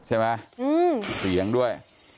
ใช่ไหมสียังด้วย